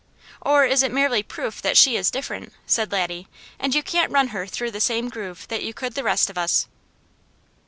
"Or is it merely proof that she is different," said Laddie, "and you can't run her through the same groove you could the rest of us?"